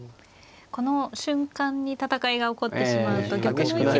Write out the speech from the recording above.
この瞬間に戦いが起こってしまうと玉の位置が。